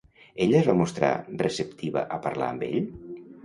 Ella es va mostrar receptiva a parlar amb ell?